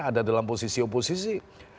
ada dalam posisi oposisi